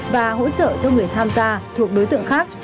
và hỗ trợ cho người tham gia thuộc đối tượng khác